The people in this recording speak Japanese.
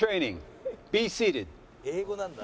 「英語なんだ」